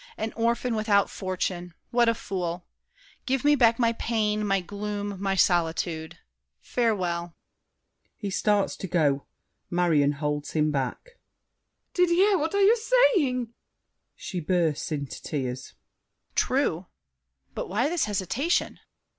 An orphan, without fortune! What a fool! Give back my pain, my gloom, my solitude! Farewell! [He starts to go; Marion holds him back. MARION. Didier, what are you saying? [She bursts into tears. DIDIER. True! But why this hesitation?